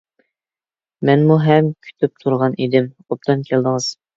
مەنمۇ ھەم كۈتۈپ تۇرغان ئىدىم، ئوبدان كەلدىڭىز.